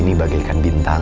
aku ini bagaikan bintang